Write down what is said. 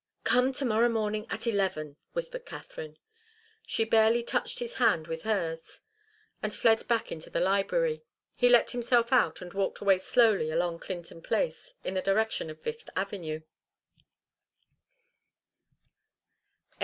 "Come to morrow morning at eleven," whispered Katharine. She barely touched his hand with hers and fled back into the library. He let himself out and walked slowly along Clinton Place in the direction of Fifth Avenue.